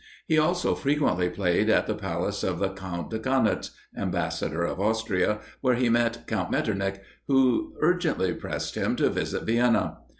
He also frequently played at the palace of the Count de Kaunitz, ambassador of Austria, where he met Count Metternich, who urgently pressed him to visit Vienna.